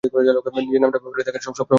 নিজের নামটা পেপারে দেখার শখ সবসময়েই ছিল আমার।